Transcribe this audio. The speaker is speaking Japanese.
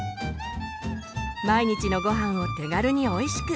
毎日のごはんを手軽においしく！